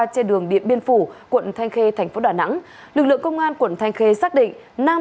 trên đường điện biên phủ quận thanh khê thành phố đà nẵng lực lượng công an quận thanh khê xác định nam